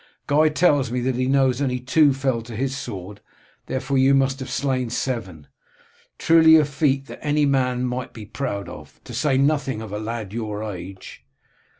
Guy tells me that he knows that only two fell to his sword, therefore you must have slain seven. Truly a feat that any man might be proud of, to say nothing of a lad of your age.